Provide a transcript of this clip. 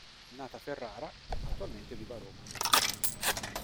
Nata a Ferrara, attualmente vive a Roma.